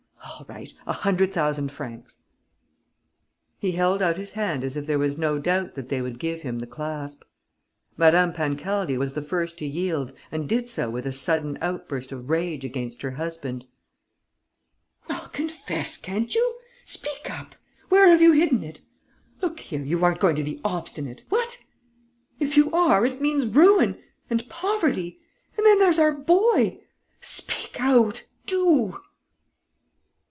All right: a hundred thousand francs." He held out his hand as if there was no doubt that they would give him the clasp. Madame Pancaldi was the first to yield and did so with a sudden outburst of rage against her husband: "Well, confess, can't you?... Speak up!... Where have you hidden it?... Look here, you aren't going to be obstinate, what? If you are, it means ruin ... and poverty.... And then there's our boy!... Speak out, do!"